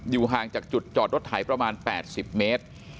ห่างจากจุดจอดรถไถประมาณ๘๐เมตร